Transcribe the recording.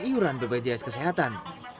iuran bpjs kesehatan